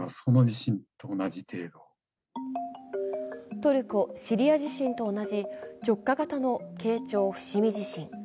トルコ・シリア地震と同じ直下型の慶長伏見地震。